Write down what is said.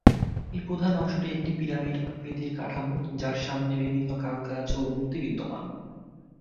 এর প্রধান অংশটি একটি পিরামিড আকৃতির কাঠামো যার সামনে বিভিন্ন কারুকাজ ও মূর্তি বিদ্যমান।